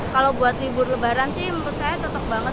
kalau buat libur lebaran sih menurut saya cocok banget